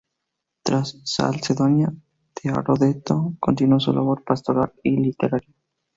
Tras Calcedonia, Teodoreto continuó su labor pastoral y literaria.